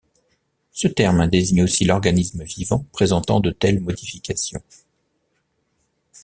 Ce terme désigne aussi l'organisme vivant présentant de telles modifications.